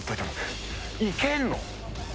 いけんの？